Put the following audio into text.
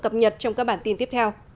cập nhật trong các bản tin tiếp theo